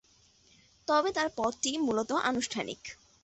তবে তার পদটি মূলত আনুষ্ঠানিক।